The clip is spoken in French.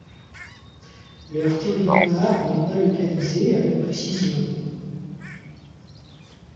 Leur territoire n’est pas localisé avec précision.